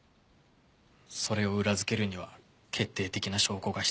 それを裏付けるには決定的な証拠が必要だったから。